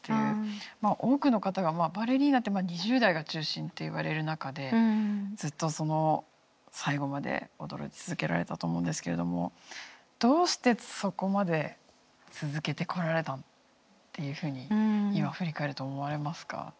まあ多くの方がバレリーナって２０代が中心っていわれる中でずっと最後まで踊り続けられたと思うんですけれどもどうしてそこまで続けてこられたっていうふうに今振り返ると思われますか？